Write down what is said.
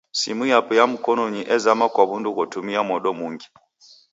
Simu yape ya mkonu ezama kwa w'undu ghotumia modo mungi.